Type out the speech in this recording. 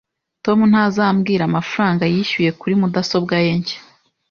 Tom ntazambwira amafaranga yishyuye kuri mudasobwa ye nshya